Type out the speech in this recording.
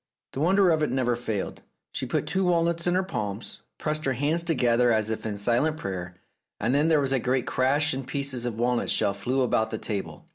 The wonder of it never failed: she put two walnuts in her palms, pressed her hands together as if in silent prayer, and then there was a great crash and pieces of walnut shell flew about the table.